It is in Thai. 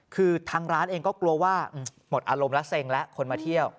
คือทางร้านเองก็กลัวว่าหมดอารมณ์แล้วเซ็งแล้วคนมาเที่ยว